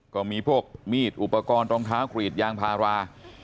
ก็มีพวกมีดอุปกรณ์รองเท้ากรีดยางพารา